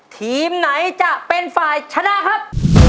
ทีมไหนจะเป็นฝ่ายชนะครับ